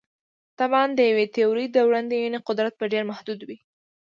طبعاً د یوې تیورۍ د وړاندوینې قدرت به ډېر محدود وي.